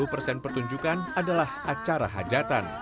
sepuluh persen pertunjukan adalah acara hajatan